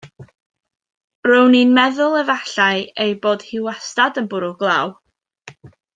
Rown i'n meddwl efallai ei bod hi wastad yn bwrw glaw.